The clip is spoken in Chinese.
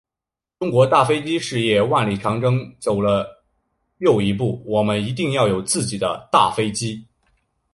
中国大飞机事业万里长征走了又一步，我们一定要有自己的大飞机。